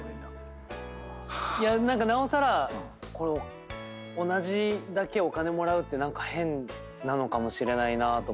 何かなおさらこれ同じだけお金もらうって何か変なのかもしれないなとか。